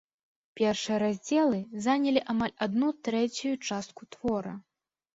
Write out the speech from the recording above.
Першыя раздзелы занялі амаль адну трэцюю частку твора.